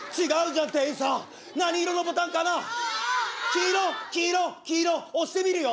黄色黄色黄色押してみるよ。